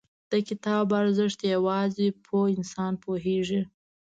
• د کتاب ارزښت، یوازې پوه انسان پوهېږي.